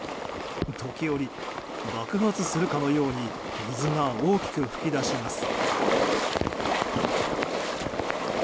時折、爆発するかのように水が大きく噴き出します。